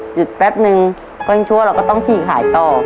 หยุดแป๊บนึงก็ยังชัวร์เราก็ต้องขีกหายต่อ